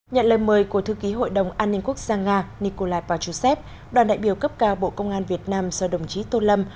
nhận lời mời của thư ký hội đồng an ninh quốc gia nga nikolai pachusev đoàn đại biểu cấp cao bộ công an việt nam do đồng chí tô lâm